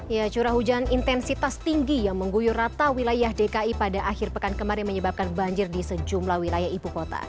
ya curah hujan intensitas tinggi yang mengguyur rata wilayah dki pada akhir pekan kemarin menyebabkan banjir di sejumlah wilayah ibu kota